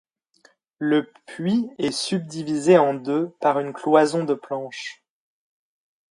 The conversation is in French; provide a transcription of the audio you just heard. Le puits est subdivisé en deux par une cloison de planches.